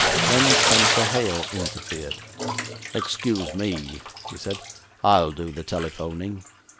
Then Spenser Hale interfered. 'Excuse me,' he said, 'I'll do the telephoning.